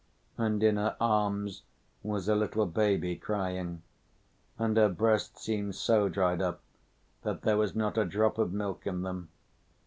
And in her arms was a little baby crying. And her breasts seemed so dried up that there was not a drop of milk in them.